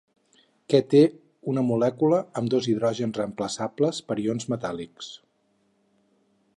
Que té una molècula amb dos hidrògens reemplaçables per ions metàl·lics.